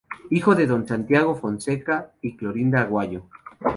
Hijo de don Santiago Fonseca y Clorinda Aguayo.